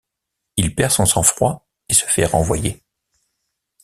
Il perd son sang-froid et se fait renvoyer.